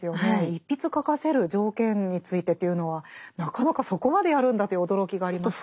一筆書かせる条件についてというのはなかなかそこまでやるんだという驚きがありましたけど。